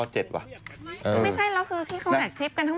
ไม่ใช่แล้วคือที่เขาแมทคลิปกันทั้งหมด